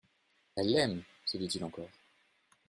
Elle l'aime ! se dit-il encore.